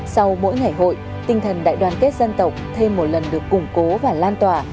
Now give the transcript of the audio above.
sau mỗi ngày hội tinh thần đại đoàn kết dân tộc thêm một lần được củng cố và lan tỏa